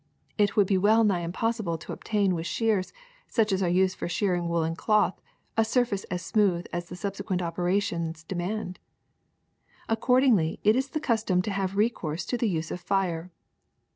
It would be well nigh impossible to obtain with shears such as are used for shearing woolen cloth a surface as smooth as the subsequent operations demand. Accordingly it is the custom to have recourse to the use of fire.